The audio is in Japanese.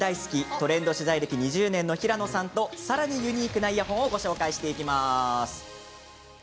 トレンド取材歴２０年の平野さんと、さらにユニークなイヤホンをご紹介します。